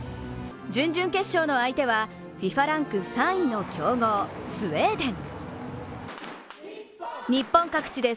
準々決勝の相手は、ＦＩＦＡランク３位の強豪スウェーデン。